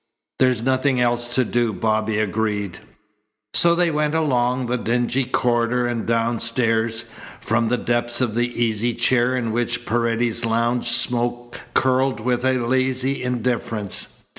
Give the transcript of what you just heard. "There's nothing else to do," Bobby agreed. So they went along the dingy corridor and downstairs. From the depths of the easy chair in which Paredes lounged smoke curled with a lazy indifference.